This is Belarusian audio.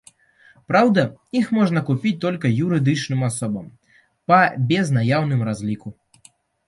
Праўда, іх можна купіць толькі юрыдычным асобам па безнаяўным разліку.